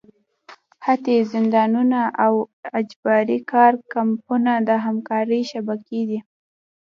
حتی زندانونه او د اجباري کار کمپونه د همکارۍ شبکې دي.